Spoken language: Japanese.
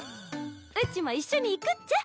うちも一緒に行くっちゃ。